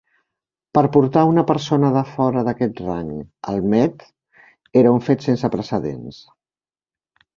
Per portar una persona de fora d'aquest rang al Met era un fet sense precedents.